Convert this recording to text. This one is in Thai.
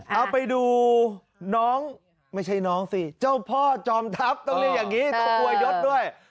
เอาไปดูน้องไม่ใช่น้องสิเจ้าพ่อจอมทัพต้องเรียกอย่างนี้ขโมยยศด้วย